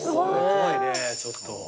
怖いねちょっと。